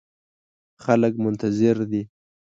خلګ منتظر دي